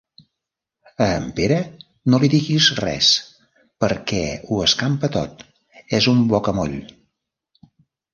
A en Pere no li diguis res, perquè ho escampa tot: és un bocamoll.